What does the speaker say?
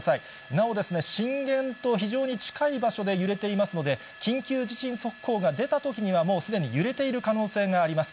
なおですね、震源と非常に近い場所で揺れていますので、緊急地震速報が出たときにはもうすでに揺れている可能性があります。